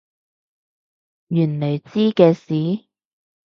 原來知嘅事？